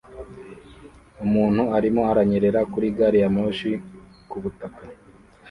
umuntu arimo aranyerera kuri gari ya moshi kubutaka